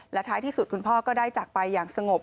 และท้ายที่สุดคุณพ่อก็ได้จากไปอย่างสงบ